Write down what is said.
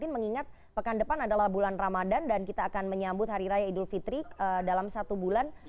mengingat pekan depan adalah bulan ramadan dan kita akan menyambut hari raya idul fitri dalam satu bulan